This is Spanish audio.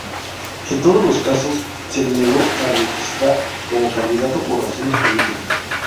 En todos los casos, se lo negó a registrar como candidato por razones políticas.